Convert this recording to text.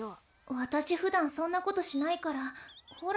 わたしふだんそんなことしないからほら！